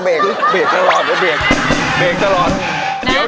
เบรกตลอดเบรกตลอด